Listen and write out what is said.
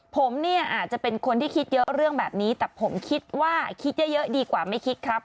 ผมเนี่ยอาจจะเป็นคนที่คิดเยอะเรื่องแบบนี้แต่ผมคิดว่าคิดเยอะดีกว่าไม่คิดครับ